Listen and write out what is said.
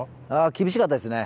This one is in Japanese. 厳しかったですね。